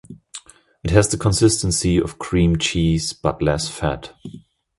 It has the consistency of cream cheese, but less fat.